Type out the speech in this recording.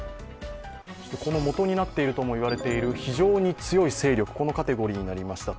このもとになっているとも言われている非常に強い勢力このカテゴリーになりました